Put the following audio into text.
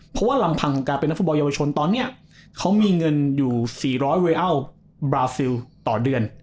เพราะว่าลำพังของการเป็นนักฟุตบอลเยาวชนตอนนี้เขามีเงินอยู่๔๐๐ไรอัลบราซิลต่อเดือน